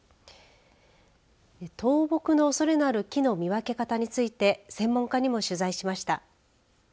倒木のおそれのある木の見分け方について専門家にも取材しました。